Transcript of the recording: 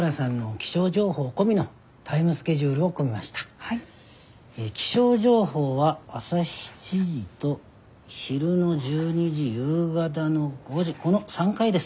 気象情報は朝７時ど昼の１２時夕方の５時この３回です。